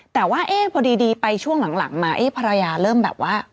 แต่ว่าเอ๊ะพอดีดีไปช่วงหลังหลังมาเอ๊ะภรรยาเริ่มแบบว่า